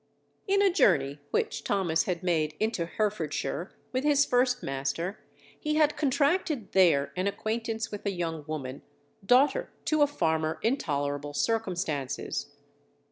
In a journey which Thomas had made into Herefordshire, with his first master, he had contracted there an acquaintance with a young woman, daughter to a farmer, in tolerable circumstances.